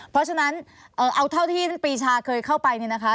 เพราะฉะนั้นเอาเท่าที่ท่านปีชาเคยเข้าไปเนี่ยนะคะ